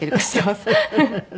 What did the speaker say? フフフフ。